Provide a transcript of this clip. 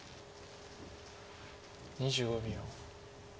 ２５秒。